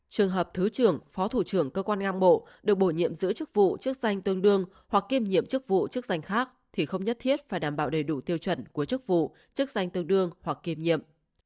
trường hợp thứ trưởng phó thủ trưởng cơ quan ngang bộ được bổ nhiệm giữ chức vụ chức danh tương đương hoặc kiêm nhiệm chức vụ chức danh khác thì không nhất thiết phải đảm bảo đầy đủ tiêu chuẩn của chức vụ chức danh tương đương hoặc kiêm nhiệm